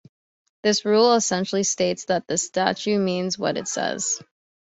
This rule essentially states that the statute means what it says.